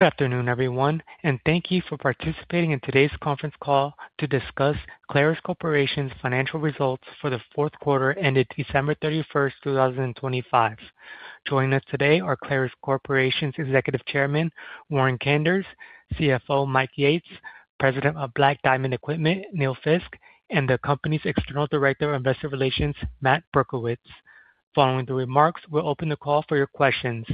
Good afternoon, everyone. Thank you for participating in today's conference call to discuss Clarus Corporation's financial results for the fourth quarter ended December 31st, 2025. Joining us today are Clarus Corporation's Executive Chairman, Warren Kanders, CFO, Mike Yates, President of Black Diamond Equipment, Neil Fiske, and the company's External Director of Investor Relations, Matt Berkowitz. Following the remarks, we'll open the call for your questions.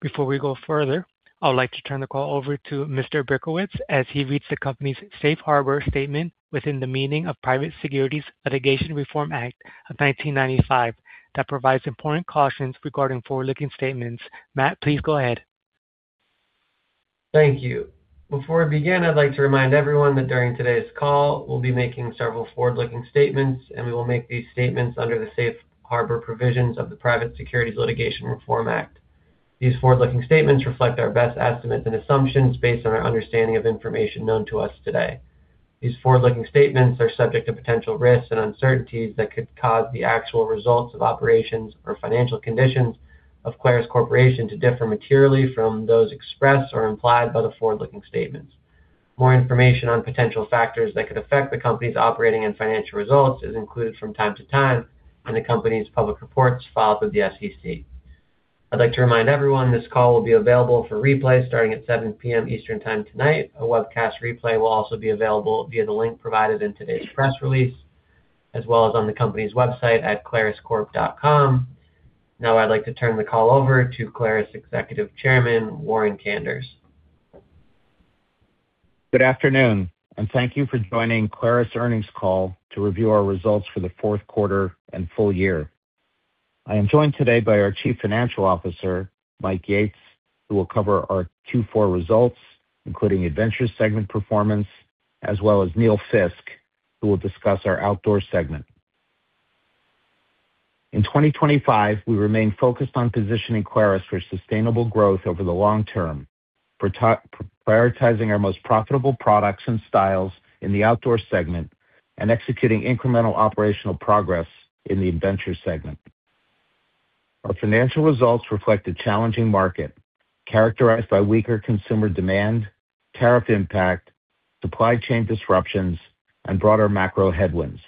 Before we go further, I would like to turn the call over to Mr. Berkowitz as he reads the company's Safe Harbor statement within the meaning of Private Securities Litigation Reform Act of 1995 that provides important cautions regarding forward-looking statements. Matt, please go ahead. Thank you. Before we begin, I'd like to remind everyone that during today's call, we'll be making several forward-looking statements. We will make these statements under the safe harbor provisions of the Private Securities Litigation Reform Act. These forward-looking statements reflect our best estimates and assumptions based on our understanding of information known to us today. These forward-looking statements are subject to potential risks and uncertainties that could cause the actual results of operations or financial conditions of Clarus Corporation to differ materially from those expressed or implied by the forward-looking statements. More information on potential factors that could affect the company's operating and financial results is included from time to time in the company's public reports filed with the SEC. I'd like to remind everyone this call will be available for replay starting at 7:00 P.M. Eastern Time tonight. A webcast replay will also be available via the link provided in today's press release, as well as on the company's website at claruscorp.com. I'd like to turn the call over to Clarus Executive Chairman, Warren Kanders. Good afternoon, and thank you for joining Clarus Earnings Call to review our results for the fourth quarter and full year. I am joined today by our Chief Financial Officer, Mike Yates, who will cover our Q4 results, including Adventure segment performance, as well as Neil Fiske, who will discuss our Outdoor segment. In 2025, we remained focused on positioning Clarus for sustainable growth over the long term, prioritizing our most profitable products and styles in the Outdoor segment and executing incremental operational progress in the Adventure segment. Our financial results reflect a challenging market characterized by weaker consumer demand, tariff impact, supply chain disruptions, and broader macro headwinds.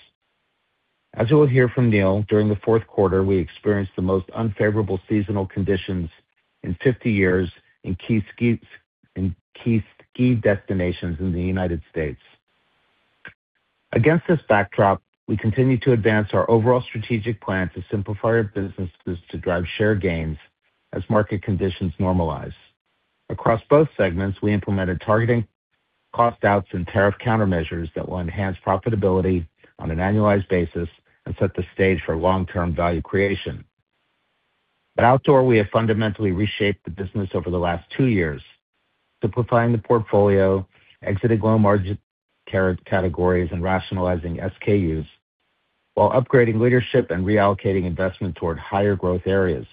As you will hear from Neil, during the fourth quarter, we experienced the most unfavorable seasonal conditions in 50 years in key ski destinations in the United States. Against this backdrop, we continue to advance our overall strategic plan to simplify our businesses to drive share gains as market conditions normalize. Across both segments, we implemented targeting cost outs and tariff countermeasures that will enhance profitability on an annualized basis and set the stage for long-term value creation. At Outdoor, we have fundamentally reshaped the business over the last two years, simplifying the portfolio, exiting low-margin categories, and rationalizing SKUs, while upgrading leadership and reallocating investment toward higher growth areas.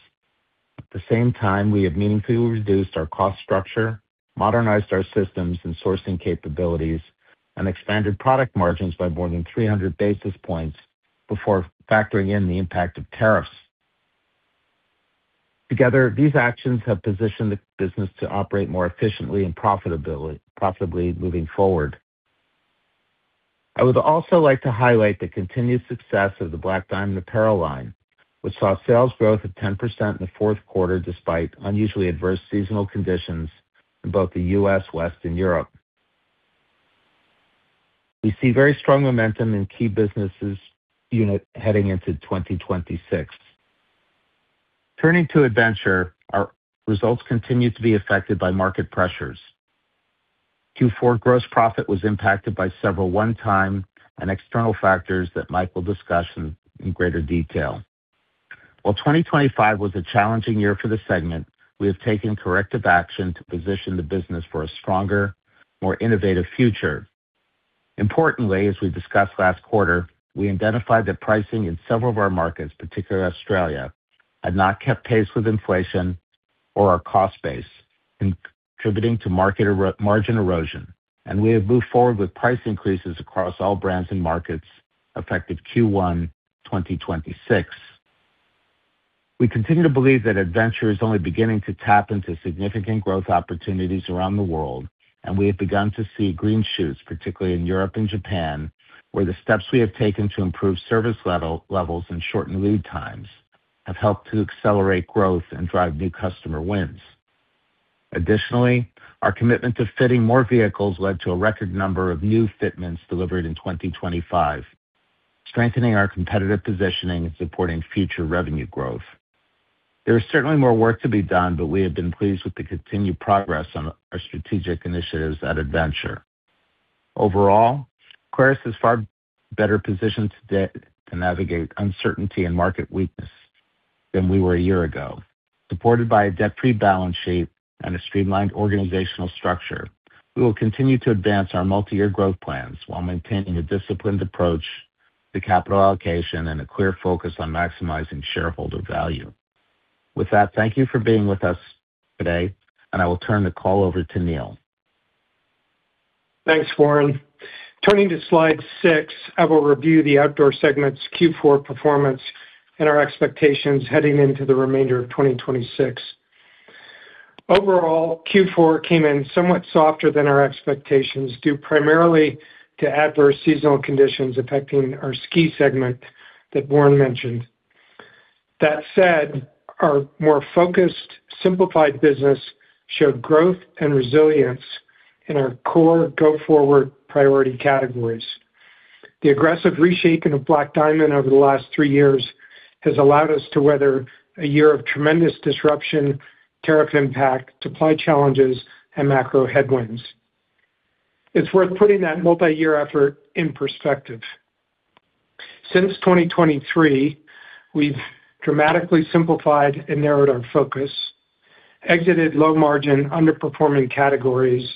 At the same time, we have meaningfully reduced our cost structure, modernized our systems and sourcing capabilities, and expanded product margins by more than 300 basis points before factoring in the impact of tariffs. Together, these actions have positioned the business to operate more efficiently and profitably moving forward. I would also like to highlight the continued success of the Black Diamond apparel line, which saw sales growth of 10% in the fourth quarter, despite unusually adverse seasonal conditions in both the U.S. West, and Europe. We see very strong momentum in key businesses unit heading into 2026. Turning to Adventure, our results continued to be affected by market pressures. Q4 gross profit was impacted by several one-time and external factors that Mike will discuss in greater detail. While 2025 was a challenging year for the segment, we have taken corrective action to position the business for a stronger, more innovative future. Importantly, as we discussed last quarter, we identified that pricing in several of our markets, particularly Australia, had not kept pace with inflation or our cost base, contributing to margin erosion. We have moved forward with price increases across all brands and markets effective Q1 2026. We continue to believe that Adventure is only beginning to tap into significant growth opportunities around the world. We have begun to see green shoots, particularly in Europe and Japan, where the steps we have taken to improve service levels and shorten lead times have helped to accelerate growth and drive new customer wins. Additionally, our commitment to fitting more vehicles led to a record number of new fitments delivered in 2025, strengthening our competitive positioning and supporting future revenue growth. There is certainly more work to be done. We have been pleased with the continued progress on our strategic initiatives at Adventure. Overall, Clarus is far better positioned today to navigate uncertainty and market weakness than we were a year ago. Supported by a debt-free balance sheet and a streamlined organizational structure, we will continue to advance our multi-year growth plans while maintaining a disciplined approach to capital allocation and a clear focus on maximizing shareholder value. With that, thank you for being with us today. I will turn the call over to Neil. Thanks, Warren. Turning to slide six, I will review the Outdoor segment's Q4 performance and our expectations heading into the remainder of 2026. Overall, Q4 came in somewhat softer than our expectations, due primarily to adverse seasonal conditions affecting our ski segment that Warren mentioned. That said, our more focused, simplified business showed growth and resilience in our core go-forward priority categories. The aggressive reshaping of Black Diamond over the last three years has allowed us to weather a year of tremendous disruption, tariff impact, supply challenges, and macro headwinds. It's worth putting that multi-year effort in perspective. Since 2023, we've dramatically simplified and narrowed our focus, exited low-margin, underperforming categories,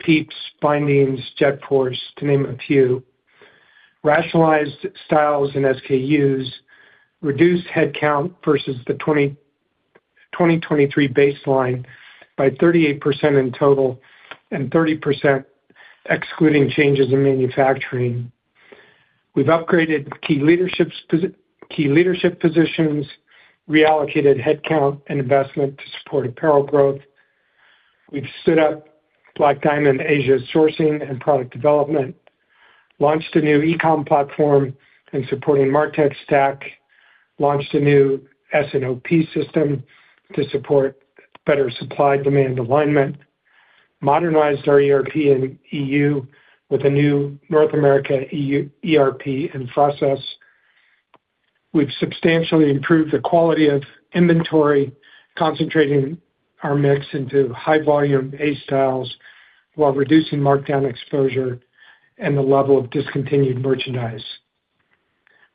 PIEPS, bindings, JetForce, to name a few, rationalized styles and SKUs, reduced headcount versus the 2023 baseline by 38% in total and 30% excluding changes in manufacturing. We've upgraded key leadership positions, reallocated headcount and investment to support apparel growth. We've stood up Black Diamond Asia sourcing and product development, launched a new e-com platform and supporting MarTech stack, launched a new S&OP system to support better supply-demand alignment, modernized our ERP and EU with a new North America ERP in process. We've substantially improved the quality of inventory, concentrating our mix into high-volume A styles while reducing markdown exposure and the level of discontinued merchandise.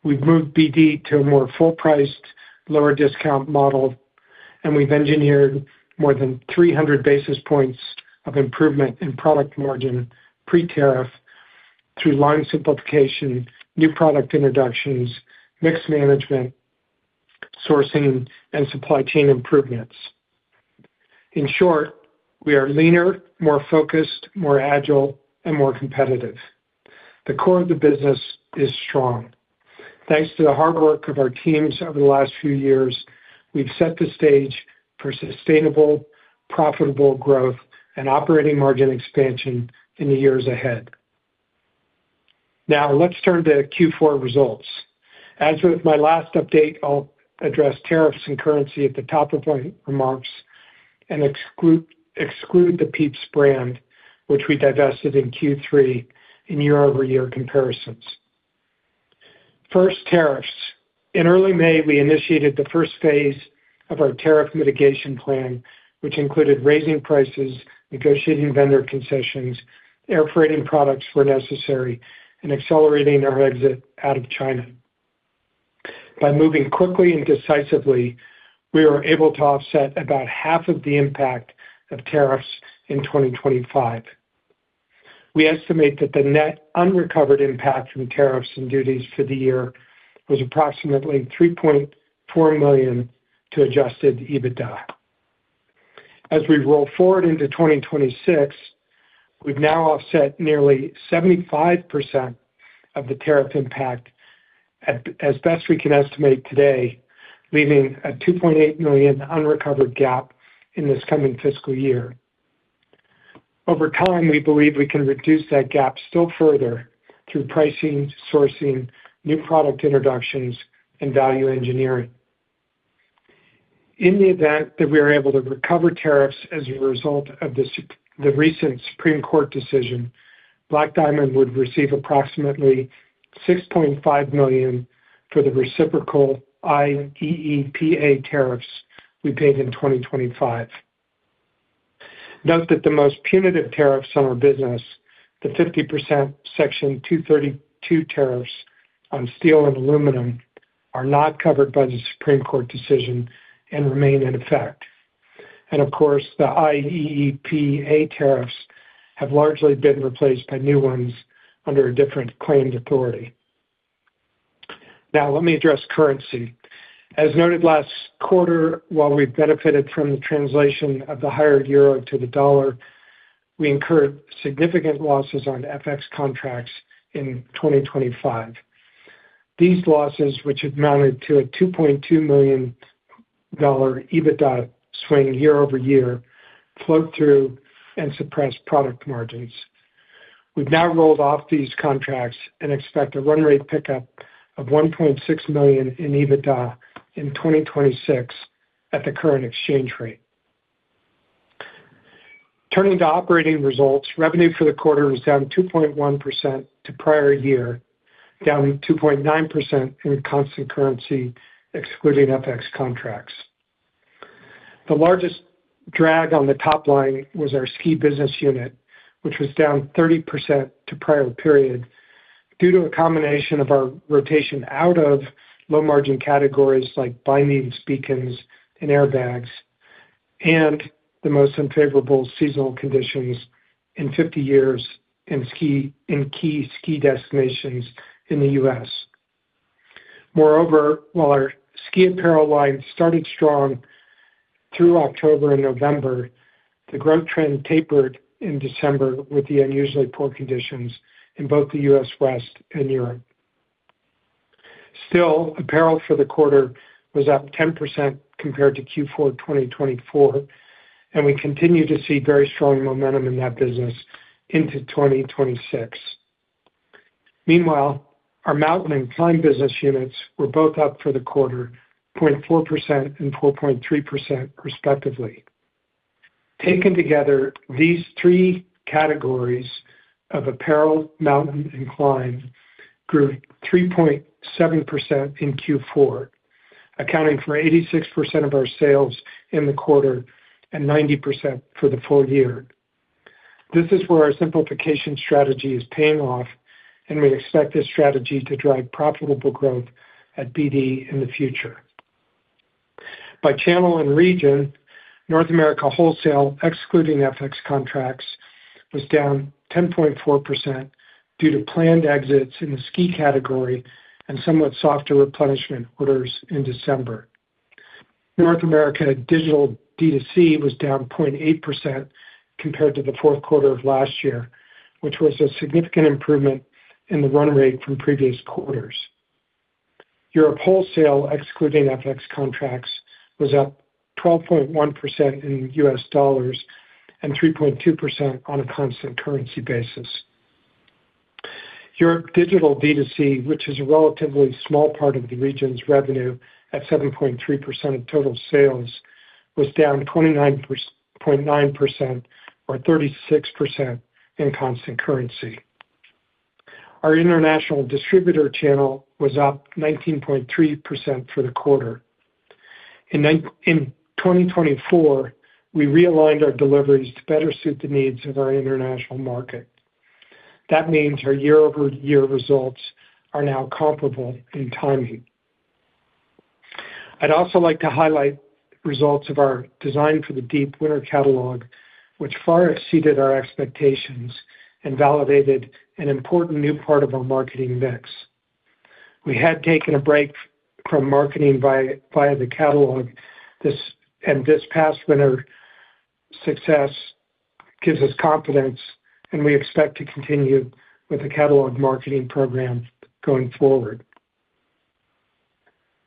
We've moved BD to a more full-priced, lower discount model, and we've engineered more than 300 basis points of improvement in product margin pre-tariff through line simplification, new product introductions, mix management, sourcing, and supply chain improvements. In short, we are leaner, more focused, more agile, and more competitive. The core of the business is strong. Thanks to the hard work of our teams over the last few years, we've set the stage for sustainable, profitable growth and operating margin expansion in the years ahead. Now let's turn to Q4 results. As with my last update, I'll address tariffs and currency at the top of my remarks and exclude the PIEPS brand, which we divested in Q3 in year-over-year comparisons. First, tariffs. In early May, we initiated the first phase of our tariff mitigation plan, which included raising prices, negotiating vendor concessions, air freighting products where necessary, and accelerating our exit out of China. By moving quickly and decisively, we were able to offset about half of the impact of tariffs in 2025. We estimate that the net unrecovered impact from tariffs and duties for the year was approximately $3.4 million to adjusted EBITDA. As we roll forward into 2026, we've now offset nearly 75% of the tariff impact as best we can estimate today, leaving a $2.8 million unrecovered gap in this coming fiscal year. Over time, we believe we can reduce that gap still further through pricing, sourcing, new product introductions, and value engineering. In the event that we are able to recover tariffs as a result of the recent Supreme Court decision, Black Diamond would receive approximately $6.5 million for the reciprocal IEEPA tariffs we paid in 2025. Note that the most punitive tariffs on our business, the 50% Section 232 tariffs on steel and aluminum, are not covered by the Supreme Court decision and remain in effect. Of course, the IEEPA tariffs have largely been replaced by new ones under a different claimed authority. Let me address currency. As noted last quarter, while we benefited from the translation of the higher euro to the dollar, we incurred significant losses on FX contracts in 2025. These losses, which amounted to a $2.2 million EBITDA swing year-over-year, flowed through and suppressed product margins. We've now rolled off these contracts and expect a run rate pickup of $1.6 million in EBITDA in 2026 at the current exchange rate. To operating results, revenue for the quarter was down 2.1% to prior year, down 2.9% in constant currency, excluding FX contracts. The largest drag on the top line was our ski business unit, which was down 30% to prior period due to a combination of our rotation out of low margin categories like bindings, beacons, and airbags, and the most unfavorable seasonal conditions in 50 years in ski in key ski destinations in the U.S.. While our ski apparel line started strong through October and November, the growth trend tapered in December with the unusually poor conditions in both the U.S. West and Europe. Apparel for the quarter was up 10% compared to Q4 2024, and we continue to see very strong momentum in that business into 2026. Our mountain and climb business units were both up for the quarter, 0.4% and 4.3%, respectively. Taken together, these three categories of apparel, mountain, and climb grew 3.7% in Q4, accounting for 86% of our sales in the quarter and 90% for the full year. This is where our simplification strategy is paying off, and we expect this strategy to drive profitable growth at BD in the future. By channel and region, North America wholesale, excluding FX contracts, was down 10.4% due to planned exits in the ski category and somewhat softer replenishment orders in December. North America digital D2C was down 0.8% compared to the fourth quarter of last year, which was a significant improvement in the run rate from previous quarters. Europe wholesale, excluding FX contracts, was up 12.1% in U.S. dollars and 3.2% on a constant currency basis. Europe digital D2C, which is a relatively small part of the region's revenue at 7.3% of total sales, was down 29.9% or 36% in constant currency. Our international distributor channel was up 19.3% for the quarter. In 2024, we realigned our deliveries to better suit the needs of our international market. That means our year-over-year results are now comparable in timing. I'd also like to highlight results of our design for the deep winter catalog, which far exceeded our expectations and validated an important new part of our marketing mix. We had taken a break from marketing via the catalog, and this past winter success gives us confidence, and we expect to continue with the catalog marketing program going forward.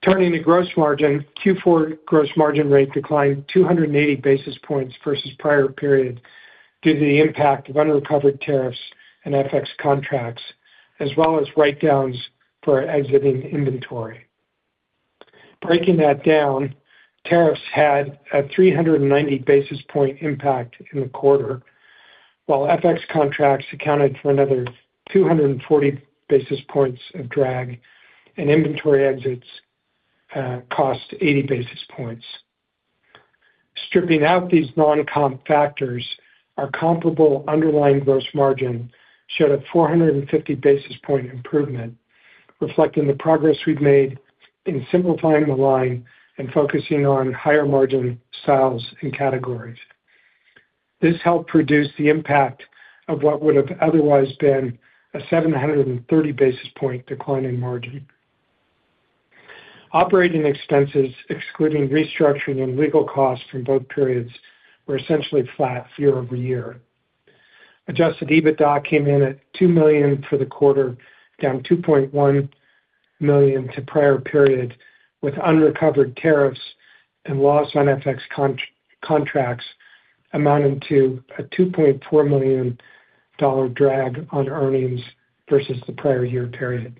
Turning to gross margin, Q4 gross margin rate declined 280 basis points versus prior period due to the impact of unrecovered tariffs and FX contracts, as well as write-downs for exiting inventory. Breaking that down, tariffs had a 390 basis point impact in the quarter, while FX contracts accounted for another 240 basis points of drag and inventory exits cost 80 basis points. Stripping out these non-comp factors, our comparable underlying gross margin showed a 450 basis point improvement, reflecting the progress we've made in simplifying the line and focusing on higher margin sales and categories. This helped reduce the impact of what would have otherwise been a 730 basis point decline in margin. Operating expenses, excluding restructuring and legal costs from both periods, were essentially flat year-over-year. Adjusted EBITDA came in at $2 million for the quarter, down $2.1 million to prior period, with unrecovered tariffs and loss on FX contracts amounting to a $2.4 million drag on earnings versus the prior year period.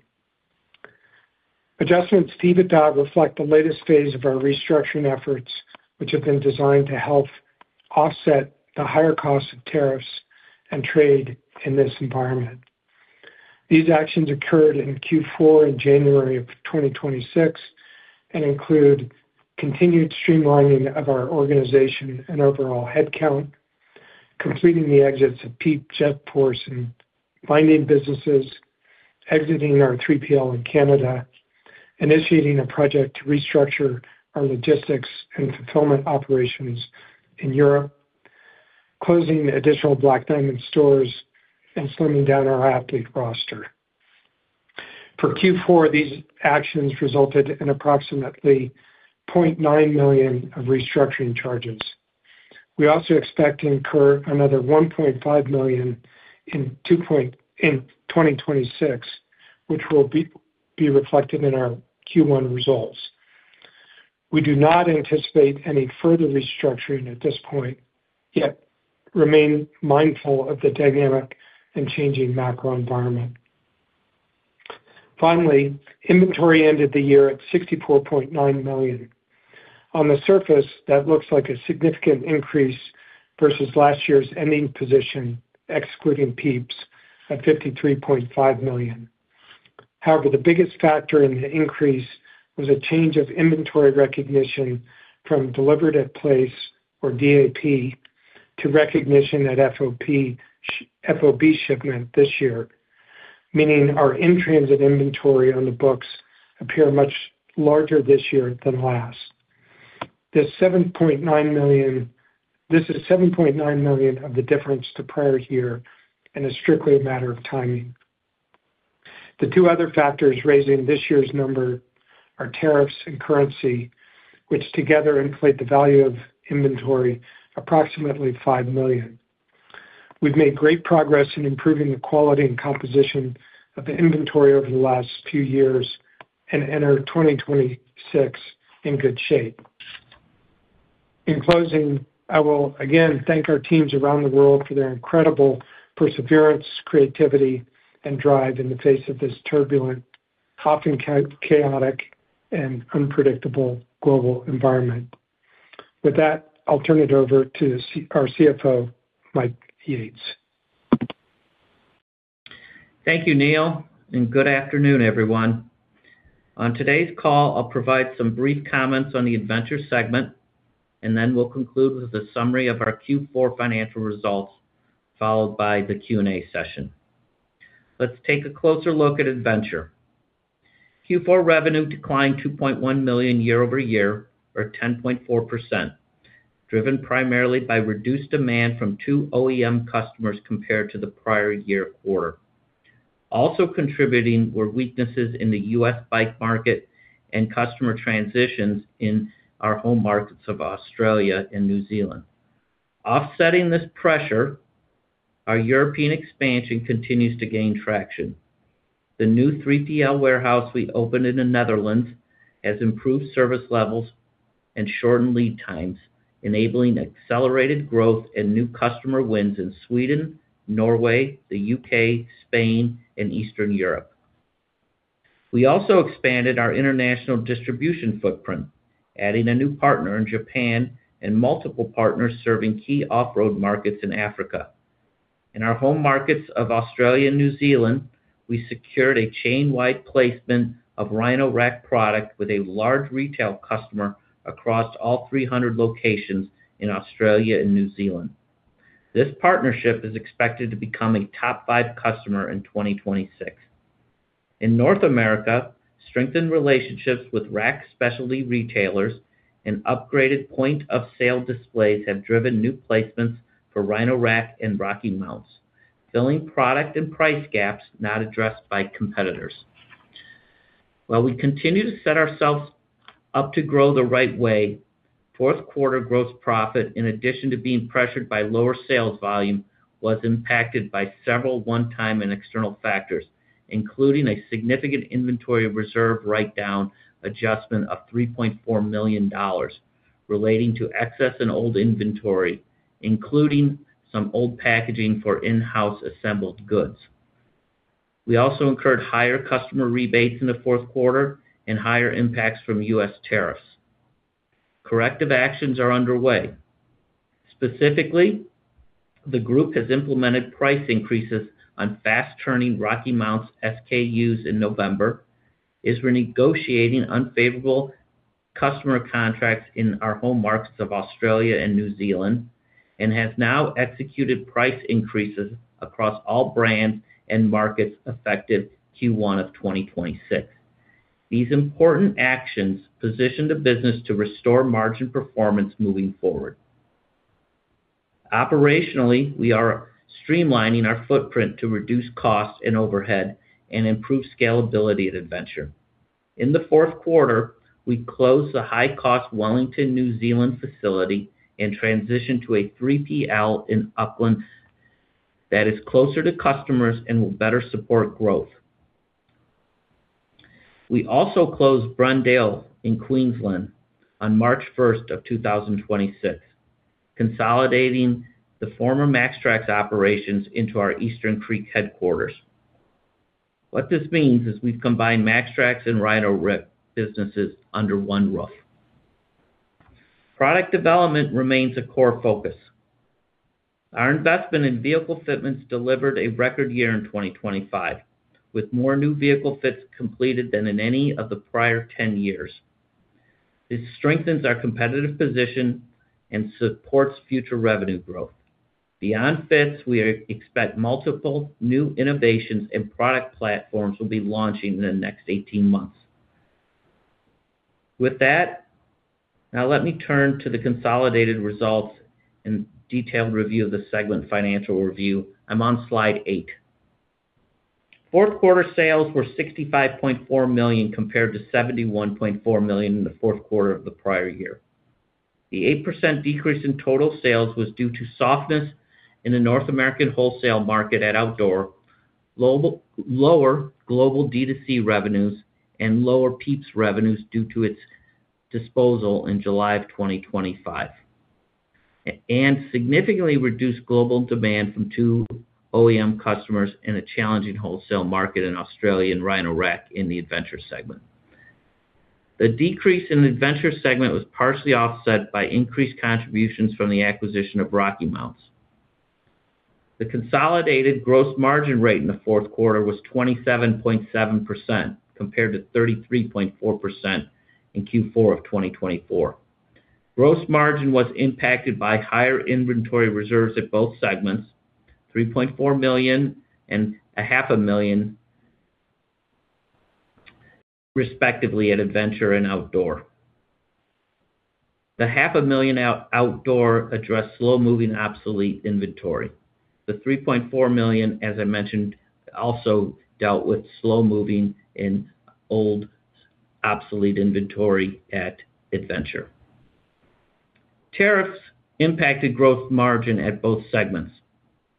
Adjustments to EBITDA reflect the latest phase of our restructuring efforts, which have been designed to help offset the higher cost of tariffs and trade in this environment. These actions occurred in Q4 and January of 2026 and include continued streamlining of our organization and overall headcount, completing the exits of PIEPS, JetForce, and bindings businesses, exiting our 3PL in Canada, initiating a project to restructure our logistics and fulfillment operations in Europe, closing additional Black Diamond stores, and slimming down our athlete roster. For Q4, these actions resulted in approximately $0.9 million of restructuring charges. We also expect to incur another $1.5 million in 2026, which will be reflected in our Q1 results. We do not anticipate any further restructuring at this point, yet remain mindful of the dynamic and changing macro environment. Finally, inventory ended the year at $64.9 million. On the surface, that looks like a significant increase versus last year's ending position, excluding PIEPS, at $53.5 million. However, the biggest factor in the increase was a change of inventory recognition from delivered at place, or DAP, to recognition at FOB shipment this year, meaning our in-transit inventory on the books appear much larger this year than last. This is $7.9 million of the difference to prior year and is strictly a matter of timing. The two other factors raising this year's number are tariffs and currency, which together inflate the value of inventory approximately $5 million. We've made great progress in improving the quality and composition of the inventory over the last few years and enter 2026 in good shape. In closing, I will again thank our teams around the world for their incredible perseverance, creativity, and drive in the face of this turbulent, often chaotic, and unpredictable global environment. With that, I'll turn it over to our CFO, Mike Yates. Thank you, Neil. Good afternoon, everyone. On today's call, I'll provide some brief comments on the Adventure segment, and then we'll conclude with a summary of our Q4 financial results, followed by the Q&A session. Let's take a closer look at Adventure. Q4 revenue declined $2.1 million year-over-year, or 10.4%, driven primarily by reduced demand from 2 OEM customers compared to the prior year quarter. Also contributing were weaknesses in the U.S. bike market and customer transitions in our home markets of Australia and New Zealand. Offsetting this pressure, our European expansion continues to gain traction. The new 3PL warehouse we opened in the Netherlands has improved service levels and shortened lead times, enabling accelerated growth and new customer wins in Sweden, Norway, the U.K., Spain, and Eastern Europe. We also expanded our international distribution footprint, adding a new partner in Japan and multiple partners serving key off-road markets in Africa. In our home markets of Australia and New Zealand, we secured a chain-wide placement of Rhino-Rack product with a large retail customer across all 300 locations in Australia and New Zealand. This partnership is expected to become a top five customer in 2026. In North America, strengthened relationships with rack specialty retailers and upgraded point-of-sale displays have driven new placements for Rhino-Rack and RockyMounts, filling product and price gaps not addressed by competitors. While we continue to set ourselves up to grow the right way, fourth quarter gross profit, in addition to being pressured by lower sales volume, was impacted by several one-time and external factors, including a significant inventory reserve write-down adjustment of $3.4 million relating to excess and old inventory, including some old packaging for in-house assembled goods. We also incurred higher customer rebates in the fourth quarter and higher impacts from U.S. tariffs. Corrective actions are underway. Specifically, the group has implemented price increases on fast-turning RockyMounts SKUs in November, is renegotiating unfavorable customer contracts in our home markets of Australia and New Zealand, and has now executed price increases across all brands and markets effective Q1 of 2026. These important actions position the business to restore margin performance moving forward. Operationally, we are streamlining our footprint to reduce costs and overhead and improve scalability at Adventure. In the fourth quarter, we closed the high-cost Wellington, New Zealand facility and transitioned to a 3PL in Upland that is closer to customers and will better support growth. We also closed Brendale in Queensland on March 1, 2026, consolidating the former MAXTRAX operations into our Eastern Creek headquarters. What this means is we've combined MAXTRAX and Rhino-Rack businesses under one roof. Product development remains a core focus. Our investment in vehicle fitments delivered a record year in 2025, with more new vehicle fits completed than in any of the prior 10 years. This strengthens our competitive position and supports future revenue growth. Beyond fits, we expect multiple new innovations and product platforms will be launching in the next 18 months. With that, now let me turn to the consolidated results and detailed review of the segment financial review. I'm on slide eight. Fourth quarter sales were $65.4 million compared to $71.4 million in the fourth quarter of the prior year. The 8% decrease in total sales was due to softness in the North American wholesale market at Outdoor, lower global D2C revenues and lower PIEPS revenues due to its disposal in July of 2025, and significantly reduced global demand from two OEM customers in a challenging wholesale market in Australia and Rhino-Rack in the Adventure segment. The decrease in Adventure segment was partially offset by increased contributions from the acquisition of RockyMounts. The consolidated gross margin rate in the fourth quarter was 27.7% compared to 33.4% in Q4 of 2024. Gross margin was impacted by higher inventory reserves at both segments, $3.4 million and a half a million, respectively at Adventure and Outdoor. The half a million Outdoor addressed slow-moving obsolete inventory. The $3.4 million, as I mentioned, also dealt with slow-moving and old obsolete inventory at Adventure. Tariffs impacted gross margin at both segments.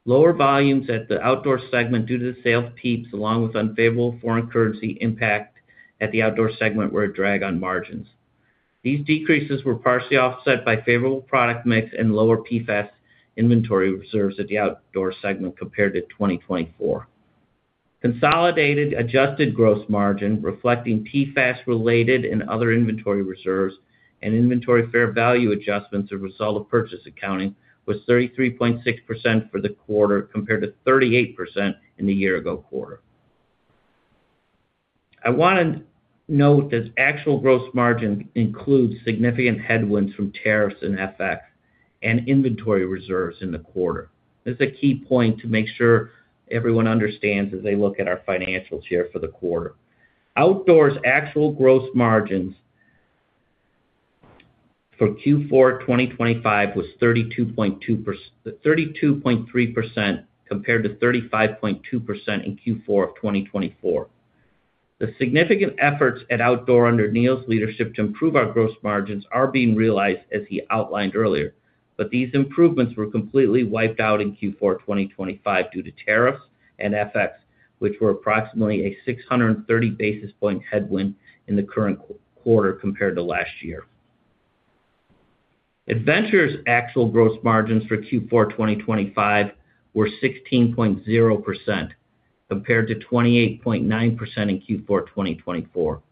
Lower volumes at the Outdoor segment due to the sales PIEPS, along with unfavorable foreign currency impact at the Outdoor segment were a drag on margins. These decreases were partially offset by favorable product mix and lower PFAS inventory reserves at the Outdoor segment compared to 2024. Consolidated adjusted gross margin reflecting PFAS related and other inventory reserves and inventory fair value adjustments as a result of purchase accounting was 33.6% for the quarter compared to 38% in the year ago quarter. I want to note that actual gross margins include significant headwinds from tariffs in FX and inventory reserves in the quarter. That's a key point to make sure everyone understands as they look at our financials here for the quarter. Outdoor's actual gross margins for Q4 2025 was 32.3% compared to 35.2% in Q4 2024. The significant efforts at Outdoor under Neil's leadership to improve our gross margins are being realized, as he outlined earlier. These improvements were completely wiped out in Q4 2025 due to tariffs and FX, which were approximately a 630 basis point headwind in the current quarter compared to last year. Adventure's actual gross margins for Q4 2025 were 16.0% compared to 28.9% in Q4 2024.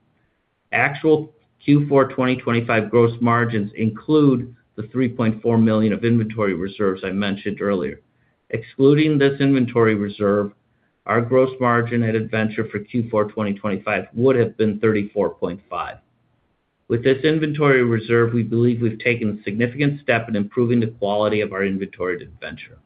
Actual Q4 2025 gross margins include the $3.4 million of inventory reserves I mentioned earlier. Excluding this inventory reserve, our gross margin at Adventure for Q4 2025 would have been 34.5%. With this inventory reserve, we believe we've taken a significant step in improving the quality of our inventory at Adventure.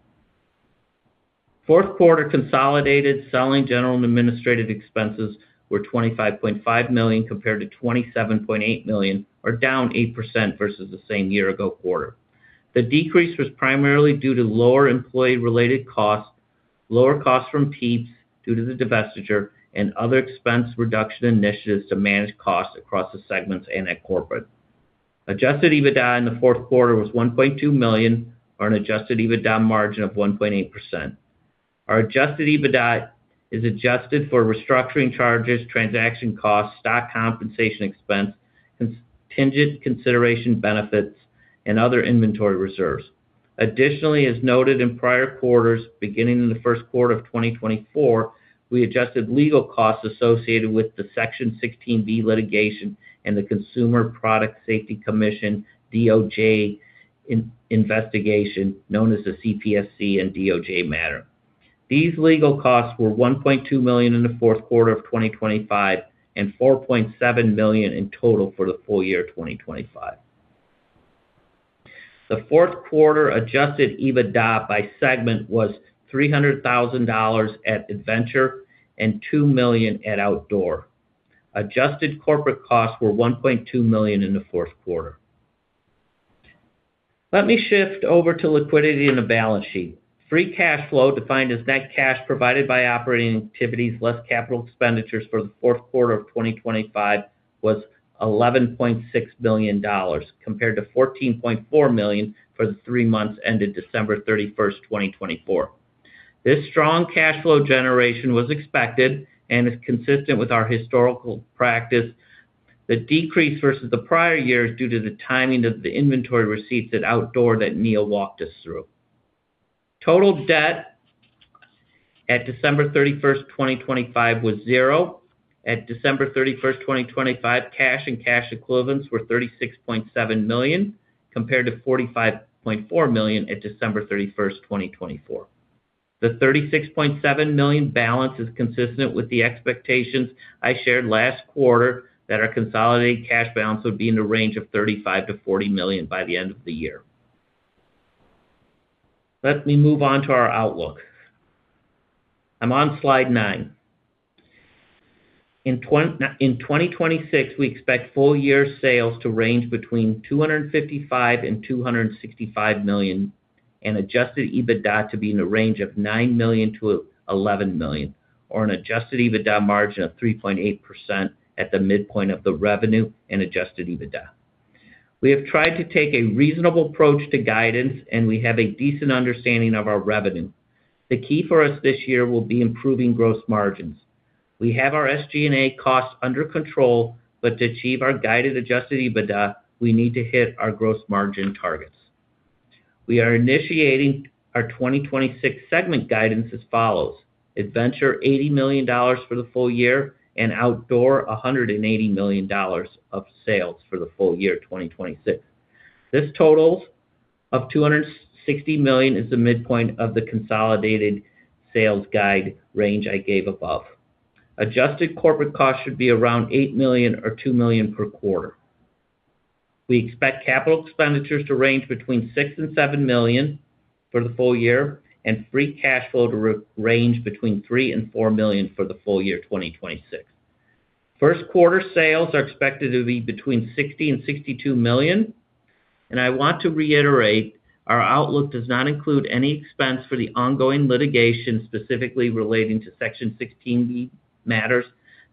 Fourth quarter consolidated selling general and administrative expenses were $25.5 million compared to $27.8 million or down 8% versus the same year-ago quarter. The decrease was primarily due to lower employee-related costs, lower costs from PIEPS due to the divestiture, and other expense reduction initiatives to manage costs across the segments and at corporate. Adjusted EBITDA in the fourth quarter was $1.2 million or an adjusted EBITDA margin of 1.8%. Our adjusted EBITDA is adjusted for restructuring charges, transaction costs, stock compensation expense, contingent consideration benefits, and other inventory reserves. Additionally, as noted in prior quarters, beginning in the first quarter of 2024, we adjusted legal costs associated with the Section 16(b) litigation and the Consumer Product Safety Commission DOJ investigation known as the CPSC and DOJ matter. These legal costs were $1.2 million in the fourth quarter of 2025 and $4.7 million in total for the full year 2025. The fourth quarter adjusted EBITDA by segment was $300,000 at Adventure and $2 million at Outdoor. Adjusted corporate costs were $1.2 million in the fourth quarter. Let me shift over to liquidity in the balance sheet. Free cash flow, defined as net cash provided by operating activities less capital expenditures for the fourth quarter of 2025 was $11.6 million, compared to $14.4 million for the three months ended December 31, 2024. This strong cash flow generation was expected and is consistent with our historical practice. The decrease versus the prior year is due to the timing of the inventory receipts at Outdoor that Neil walked us through. Total debt at December 31, 2025 was 0. At December 31, 2025, cash and cash equivalents were $36.7 million, compared to $45.4 million at December 31, 2024. The $36.7 million balance is consistent with the expectations I shared last quarter that our consolidated cash balance would be in the range of $35 million to $40 million by the end of the year. Let me move on to our outlook. I'm on slide 9. In 2026, we expect full year sales to range between $255 million to $265 million, and adjusted EBITDA to be in the range of $9 million to $11 million or an adjusted EBITDA margin of 3.8% at the midpoint of the revenue and adjusted EBITDA. We have tried to take a reasonable approach to guidance, and we have a decent understanding of our revenue. The key for us this year will be improving gross margins. We have our SG&A costs under control, but to achieve our guided adjusted EBITDA, we need to hit our gross margin targets. We are initiating our 2026 segment guidance as follows: Adventure, $80 million for the full year. Outdoor, $180 million of sales for the full year 2026. This total of $260 million is the midpoint of the consolidated sales guide range I gave above. Adjusted corporate costs should be around $8 million or $2 million per quarter. We expect capital expenditures to range between $6 million to $7 million for the full year. Free cash flow to re-range between $3 million to $4 million for the full year 2026. First quarter sales are expected to be between $60 million to $62 million. I want to reiterate, our outlook does not include any expense for the ongoing litigation specifically relating to Section 16(b) matters,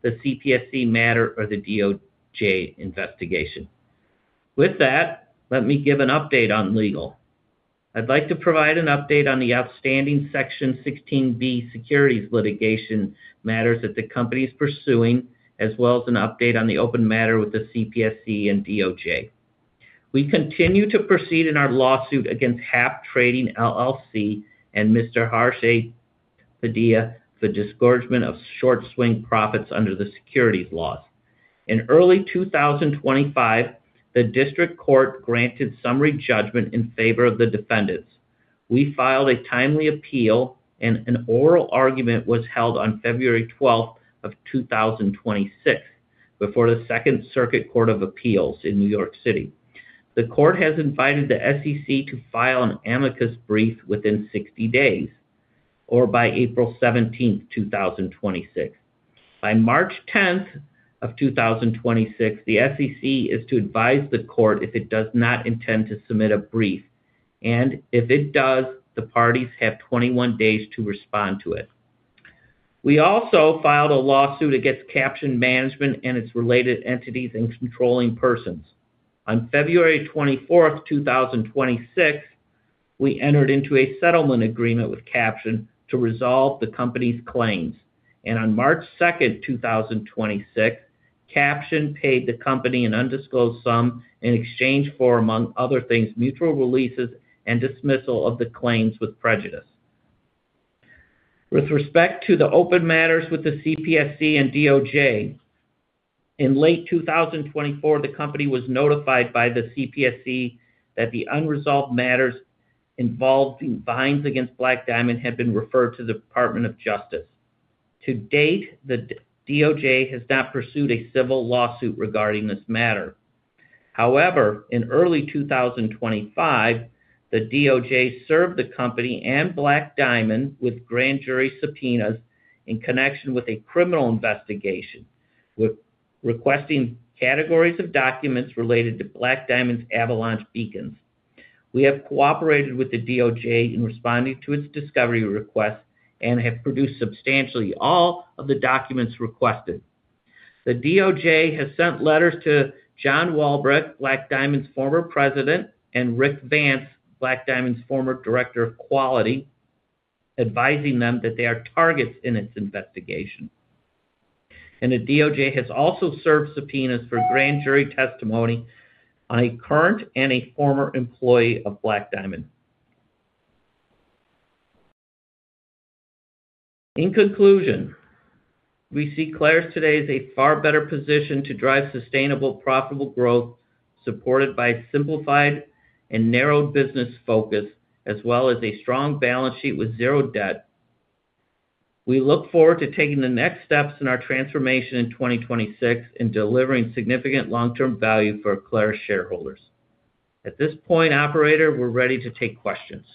the CPSC matter, or the DOJ investigation. With that, let me give an update on legal. I'd like to provide an update on the outstanding Section 16(b) securities litigation matters that the company is pursuing, as well as an update on the open matter with the CPSC and DOJ. We continue to proceed in our lawsuit against Half Trading, LLC and Mr. Harsh A. Padia for disgorgement of short swing profits under the securities laws. In early 2025, the district court granted summary judgment in favor of the defendants. We filed a timely appeal and an oral argument was held on February 12th of 2026 before the Second Circuit Court of Appeals in New York City. The court has invited the SEC to file an amicus brief within 60 days or by April 17th, 2026. By March 10, 2026, the SEC is to advise the court if it does not intend to submit a brief. If it does, the parties have 21 days to respond to it. We also filed a lawsuit against Caption Management and its related entities and controlling persons. On February 24, 2026, we entered into a settlement agreement with Caption to resolve the company's claims. On March 2, 2026, Caption paid the company an undisclosed sum in exchange for, among other things, mutual releases and dismissal of the claims with prejudice. With respect to the open matters with the CPSC and DOJ, in late 2024, the company was notified by the CPSC that the unresolved matters involving fines against Black Diamond had been referred to the Department of Justice. To date, the DOJ has not pursued a civil lawsuit regarding this matter. However, in early 2025, the DOJ served the company and Black Diamond with grand jury subpoenas in connection with a criminal investigation, re-requesting categories of documents related to Black Diamond's avalanche beacons. We have cooperated with the DOJ in responding to its discovery request and have produced substantially all of the documents requested. The DOJ has sent letters to John Walbrecht, Black Diamond's former president, and Rick Vance, Black Diamond's former director of quality, advising them that they are targets in its investigation. The DOJ has also served subpoenas for grand jury testimony on a current and a former employee of Black Diamond. In conclusion, we see Clarus today as a far better position to drive sustainable, profitable growth supported by simplified and narrowed business focus as well as a strong balance sheet with zero debt. We look forward to taking the next steps in our transformation in 2026 and delivering significant long-term value for Clarus shareholders. At this point, operator, we're ready to take questions.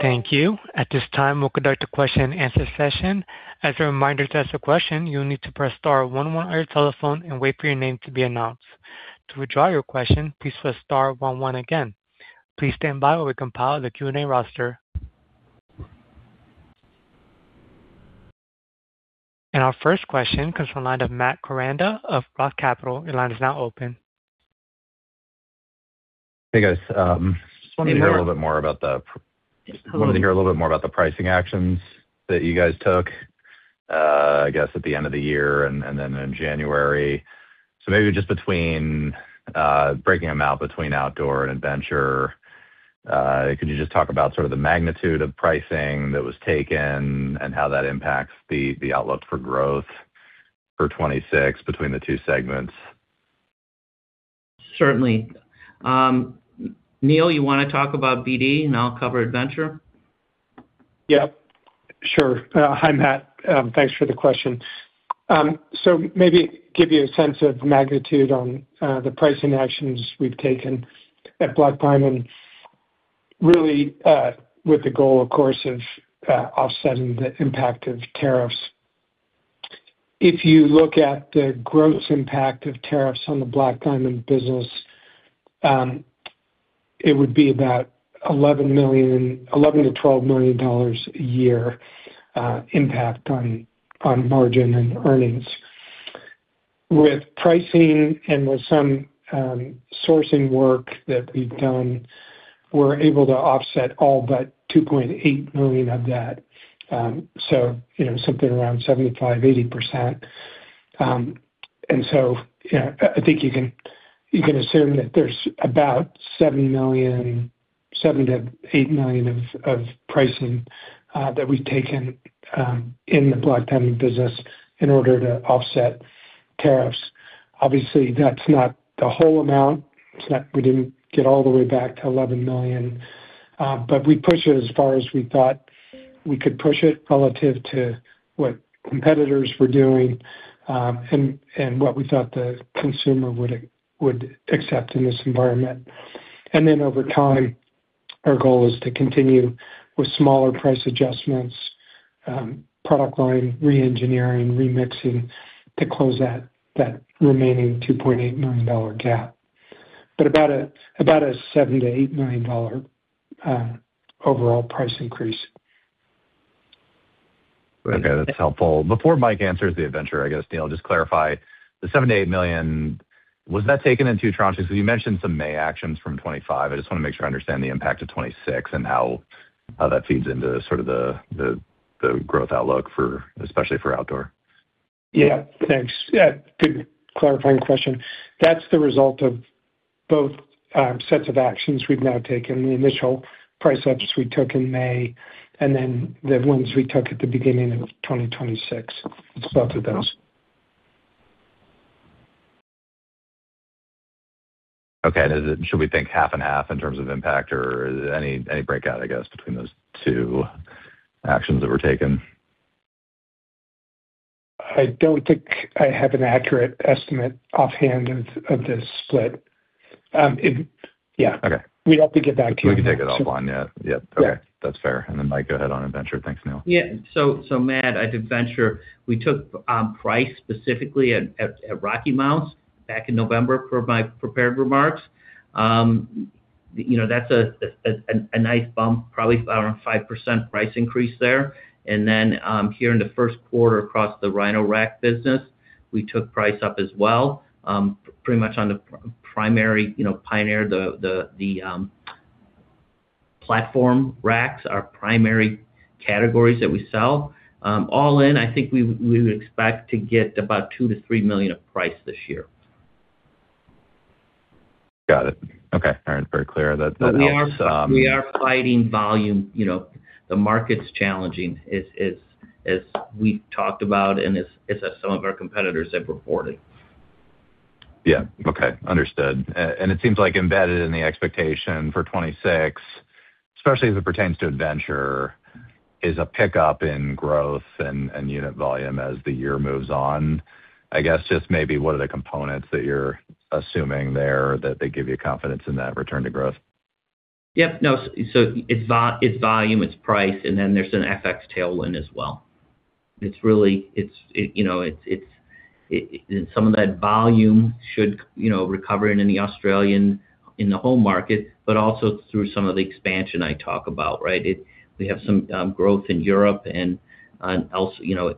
Thank you. At this time, we'll conduct a question and answer session. As a reminder, to ask a question, you'll need to press star one one on your telephone and wait for your name to be announced. To withdraw your question, please press star one one again. Please stand by while we compile the Q&A roster. Our first question comes from the line of Matt Koranda of Roth Capital. Your line is now open. Hey, guys. just wanted to hear a little bit more about the pricing actions that you guys took, I guess at the end of the year and then in January. Maybe just between, breaking them out between Outdoor and Adventure, could you just talk about sort of the magnitude of pricing that was taken and how that impacts the outlook for growth for 26 between the two segments? Certainly. Neil, you wanna talk about BD and I'll cover Adventure? Sure. Hi, Matt. Thanks for the question. Maybe give you a sense of magnitude on the pricing actions we've taken at Black Diamond with the goal of offsetting the impact of tariffs. If you look at the gross impact of tariffs on the Black Diamond business, it would be about $11 million to $12 million a year impact on margin and earnings. With pricing and with some sourcing work that we've done, we're able to offset all but $2.8 million of that. You know, something around 75%-80%. You can assume that there's about $7 million to $8 million of pricing that we've taken in the Black Diamond business in order to offset tariffs. Obviously, that's not the whole amount. We didn't get all the way back to $11 million. We pushed it as far as we thought we could push it relative to what competitors were doing and what we thought the consumer would accept in this environment. Over time, our goal is to continue with smaller price adjustments, product line re-engineering, remixing to close that remaining $2.8 million gap. About a $7 million to $8 million overall price increase. That's helpful. Before Mike Yates answers the Adventure, I guess, Neil Fiske, just clarify the $7 million to $8 million, was that taken in two tranches? Because you mentioned some May actions from 2025. I just wanna make sure I understand the impact of 2026 and how that feeds into sort of the growth outlook for, especially for Outdoor. Thanks. Good clarifying question. That's the result of both sets of actions we've now taken, the initial price ups we took in May and then the ones we took at the beginning of 2026. Let's start with those. Okay. Should we think half and half in terms of impact or any breakout, I guess, between those two actions that were taken? I don't think I have an accurate estimate offhand of the split. Okay. We'd have to get back to you. We can take it offline. That's fair. Then, Mike, go ahead on Adventure. Thanks, Neil. Matt, at Adventure, we took price specifically at RockyMounts back in November per my prepared remarks. That's a nice bump, probably around 5% price increase there. Here in the first quarter across the Rhino-Rack business, we took price up as well, pretty much on the primary, you know, Pioneer, the platform racks, our primary categories that we sell. All in, I think we would expect to get about $2 million to $3 million of price this year. Got it. Okay. All right. Very clear. That helps. We are fighting volume. The market's challenging as we've talked about and as some of our competitors have reported. Understood. It seems like embedded in the expectation for 2026, especially as it pertains to Adventure, is a pickup in growth and unit volume as the year moves on. I guess just maybe what are the components that you're assuming there that they give you confidence in that return to growth? No. It's volume, it's price, and then there's an FX tailwind as well. It's really. It's some of that volume should recover in the Australian, in the home market, but also through some of the expansion I talk about, right? We have some growth in Europe and on else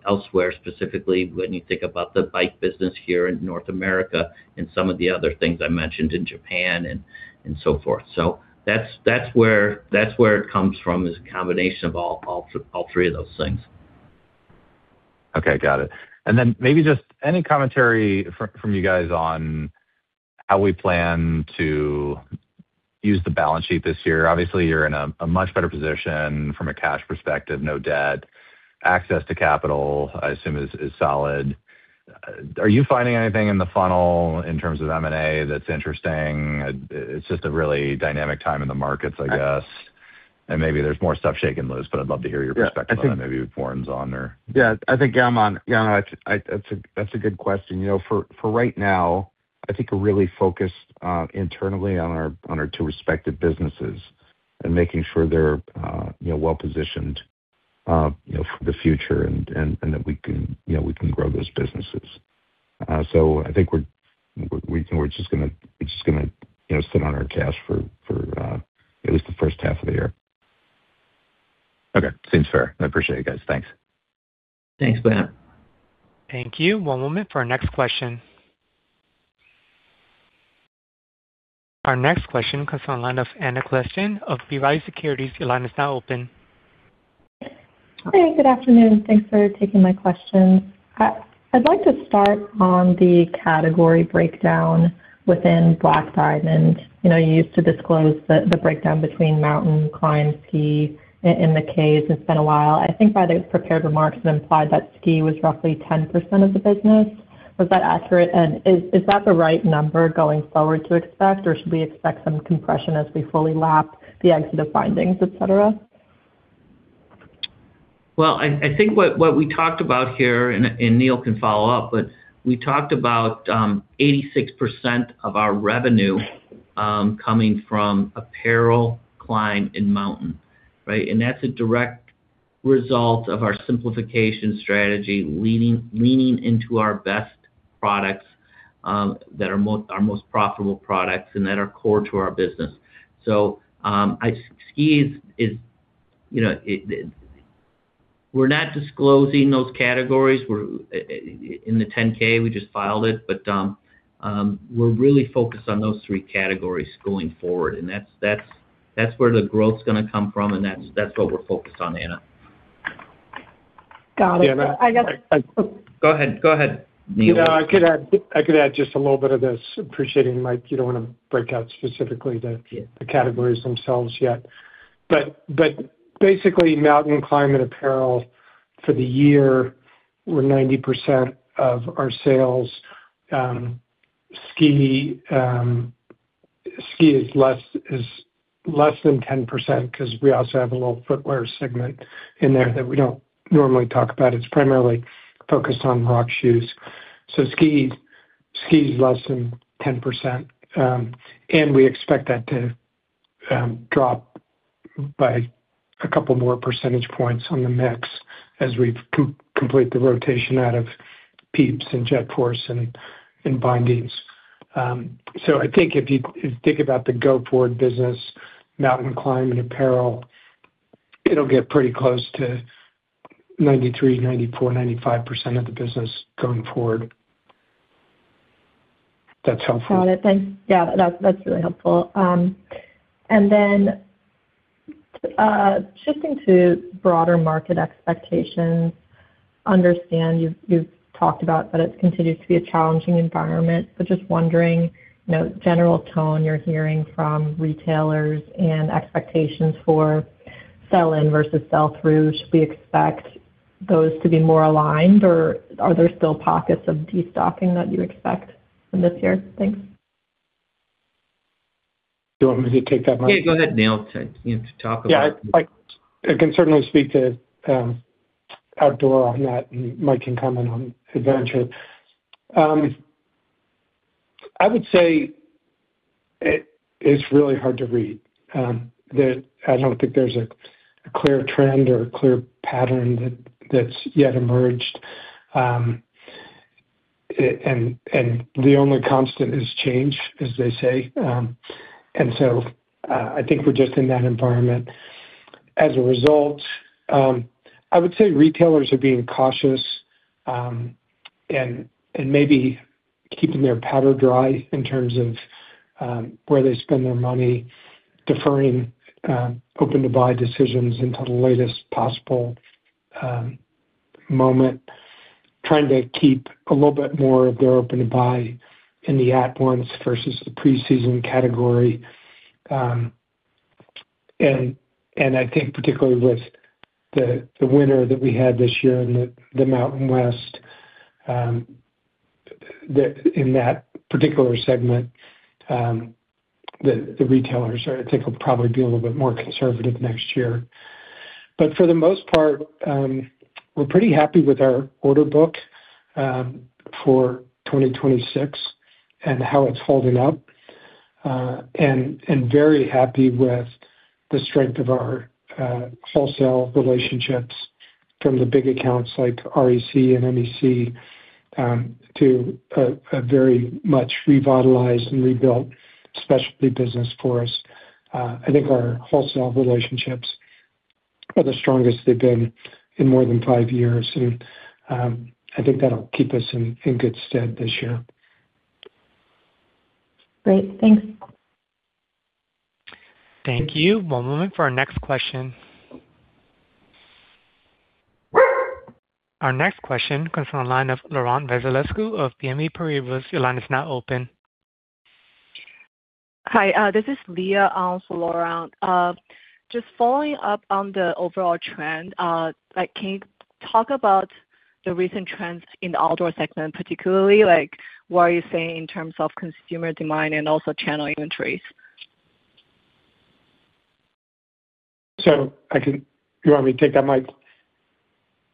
elsewhere, specifically when you think about the bike business here in North America and some of the other things I mentioned in Japan and so forth. That's where it comes from. It's a combination of all three of those things. Okay. Got it. Then maybe just any commentary from you guys on how we plan to use the balance sheet this year. Obviously, you're in a much better position from a cash perspective. No debt. Access to capital, I assume, is solid. Are you finding anything in the funnel in terms of M&A that's interesting? It's just a really dynamic time in the markets, I guess. Maybe there's more stuff shaking loose, but I'd love to hear your perspective on it. Maybe Warren's on. I think I'm on. That's a good question. For right now, I think we're really focused internally on our two respective businesses and making sure they're well-positioned for the future and that we can we can grow those businesses. I think we're just gonna sit on our cash for at least the first half of the year. Okay. Seems fair. I appreciate it, guys. Thanks. Thanks, Matt. Thank you. One moment for our next question. Our next question comes on line of Anna Glaessgen of B. Riley Securities. Your line is now open. Hey, good afternoon. Thanks for taking my question. I'd like to start on the category breakdown within Black Diamond. You know, you used to disclose the breakdown between Mountain, Climb, Ski, in the 10-K. It's been a while. I think by the prepared remarks, it implied that Ski was roughly 10% of the business. Was that accurate? Is that the right number going forward to expect, or should we expect some compression as we fully lap the exit of bindings, et cetera? I think what we talked about here, Neil can follow up, we talked about 86% of our revenue coming from apparel, climb, and mountain, right? That's a direct result of our simplification strategy leaning into our best products, that are our most profitable products and that are core to our business. Ski is, we're not disclosing those categories. In the 10-K, we just filed it, we're really focused on those three categories going forward, that's where the growth's gonna come from, that's what we're focused on, Anna. Got it. Matt. Go ahead, Neil. I could add just a little bit of this. Appreciating, Mike, you don't wanna break out specifically. The categories themselves yet. Basically, mountain climb and apparel for the year. We're 90% of our sales, ski. Ski is less than 10% because we also have a little footwear segment in there that we don't normally talk about. It's primarily focused on rock shoes. Ski is less than 10%. We expect that to drop by a couple more percentage points on the mix as we complete the rotation out of PIEPS and JetForce and bindings. I think if you think about the go-forward business, mountain climb and apparel, it'll get pretty close to 93%, 94%, 95% of the business going forward. That's helpful. Got it. Thanks. That's really helpful. Shifting to broader market expectations. Understand you've talked about that it continues to be a challenging environment, but just wondering, you know, general tone you're hearing from retailers and expectations for sell-in versus sell-through. Should we expect those to be more aligned, or are there still pockets of destocking that you expect in this year? Thanks. Do you want me to take that, Mike? Go ahead, Neil. I can certainly speak to Outdoor on that. Mike can comment on Adventure. I would say it is really hard to read that I don't think there's a clear trend or a clear pattern that's yet emerged. The only constant is change, as they say. I think we're just in that environment. As a result, I would say retailers are being cautious and maybe keeping their powder dry in terms of where they spend their money, deferring open-to-buy decisions into the latest possible moment, trying to keep a little bit more of their open-to-buy in the at once versus the preseason category. I think particularly with the winter that we had this year in the Mountain West, in that particular segment, the retailers are I think will probably be a little bit more conservative next year. But for the most part, we're pretty happy with our order book for 2026 and how it's holding up. Very happy with the strength of our wholesale relationships from the big accounts like REI and MEC, to a very much revitalized and rebuilt specialty business for us. I think our wholesale relationships are the strongest they've been in more than 5 years, and, I think that'll keep us in good stead this year. Great. Thanks. Thank you. One moment for our next question. Our next question comes from the line of Laurent Vasilescu of BNP Paribas. Your line is now open. Hi, this is Leah on for Laurent. Just following up on the overall trend, like, can you talk about the recent trends in the Outdoor segment, particularly? Like, what are you seeing in terms of consumer demand and also channel inventories? Do you want me to take that, Mike?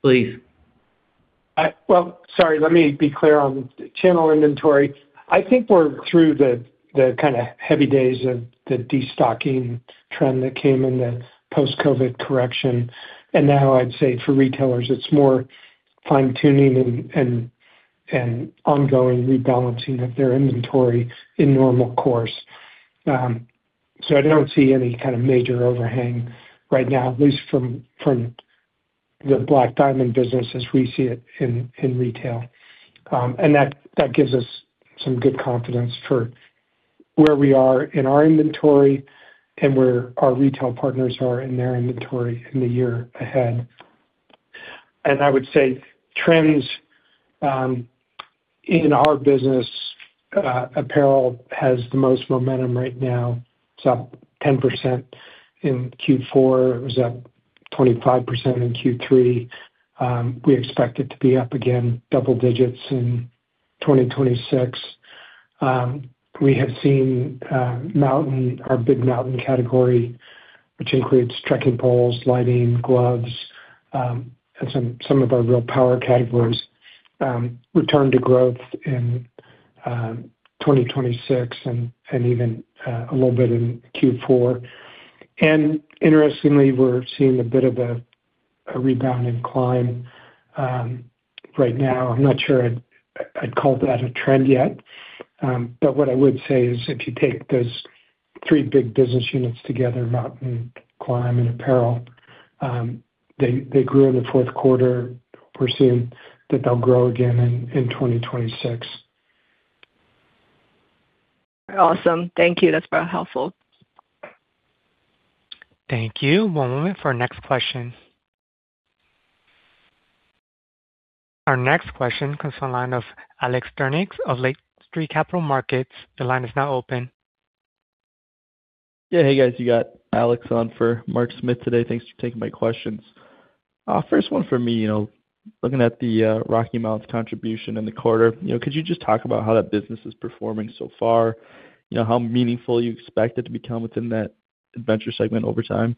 Please. Well, sorry, let me be clear on channel inventory. I think we're through the heavy days of the destocking trend that came in the post-COVID correction. Now I'd say for retailers, it's more fine-tuning and ongoing rebalancing of their inventory in normal course. I don't see any kind of major overhang right now, at least from the Black Diamond business as we see it in retail. That gives us some good confidence for where we are in our inventory and where our retail partners are in their inventory in the year ahead. I would say trends in our business, apparel has the most momentum right now. It's up 10% in Q4. It was up 25% in Q3. We expect it to be up again double digits in 2026. We have seen mountain, our big mountain category, which includes trekking poles, lighting, gloves, and some of our real power categories, return to growth in 2026 and even a little bit in Q4. Interestingly, we're seeing a bit of a rebound in climb right now. I'm not sure I'd call that a trend yet. What I would say is if you take those three big business units together, mountain, climb, and apparel, they grew in the fourth quarter. We're seeing that they'll grow again in 2026. Awesome. Thank you. That's very helpful. Thank you. One moment for our next question. Our next question comes from the line of Alex Sturnieks of Lake Street Capital Markets. The line is now open. Hey guys, you got Alex on for Mark Smith today. Thanks for taking my questions. First one for me, you know, looking at the RockyMounts contribution in the quarter, you know, could you just talk about how that business is performing so far? You know, how meaningful you expect it to become within that Adventure segment over time?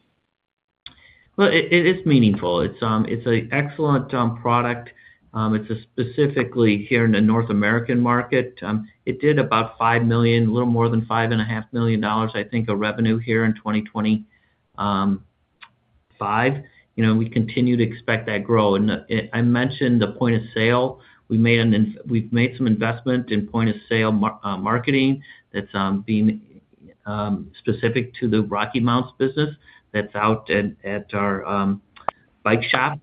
It is meaningful. It's an excellent product. It's specifically here in the North American market. It did about $5 million, a little more than $5.5 million, I think, of revenue here in 2025. You know, we continue to expect that growth. I mentioned the point of sale. We've made some investment in point of sale marketing that's being specific to the RockyMounts business that's out at our bike shop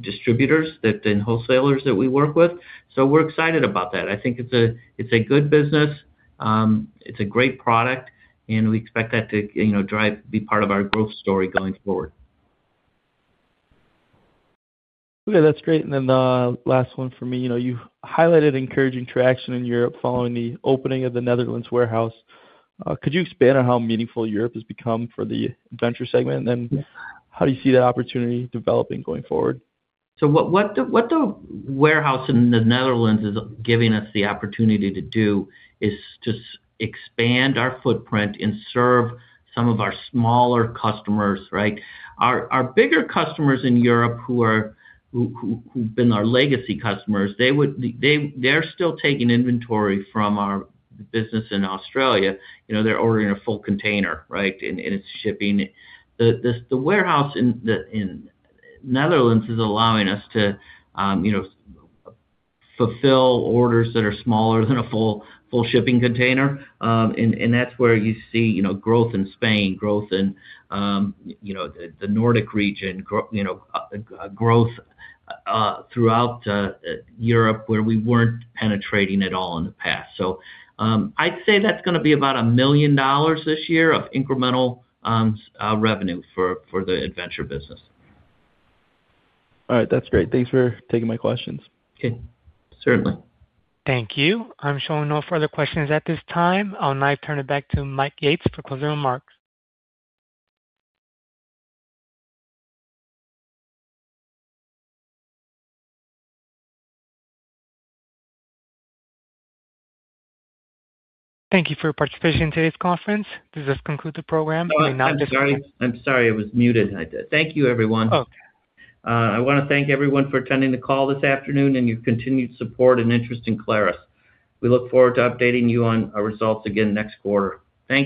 distributors that then wholesalers that we work with. We're excited about that. I think it's a good business. It's a great product, and we expect that to, you know, drive be part of our growth story going forward. Okay, that's great. Last one for me. You know, you highlighted encouraging traction in Europe following the opening of the Netherlands warehouse. Could you expand on how meaningful Europe has become for the venture segment? How do you see that opportunity developing going forward? What the warehouse in the Netherlands is giving us the opportunity to do is to expand our footprint and serve some of our smaller customers, right? Our bigger customers in Europe who've been our legacy customers, they're still taking inventory from our business in Australia. You know, they're ordering a full container, right? It's shipping. The warehouse in the Netherlands is allowing us to, you know, fulfill orders that are smaller than a full shipping container. And that's where you see, you know, growth in Spain, growth in, you know, the Nordic region, you know, growth throughout Europe, where we weren't penetrating at all in the past. I'd say that's gonna be about $1 million this year of incremental revenue for the Adventure business. All right. That's great. Thanks for taking my questions. Okay. Certainly. Thank you. I'm showing no further questions at this time. I'll now turn it back to Mike Yates for closing remarks. Thank you for your participation in today's conference. This does conclude the program. You may now disconnect. I'm sorry it was muted. Thank you, everyone. I wanna thank everyone for attending the call this afternoon and your continued support and interest in Clarus. We look forward to updating you on our results again next quarter. Thank you.